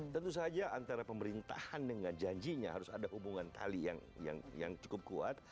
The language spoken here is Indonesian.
tentu saja antara pemerintahan dengan janjinya harus ada hubungan tali yang cukup kuat